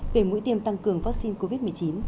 về mũi tiêm tăng cường vaccine covid một mươi chín